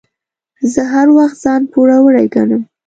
زه هر وخت ځان پوروړی ګڼم.